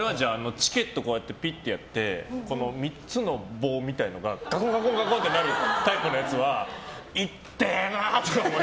チケットをピッてやって３つの棒みたいなのがガコガコってなるタイプのやつはいってえなって。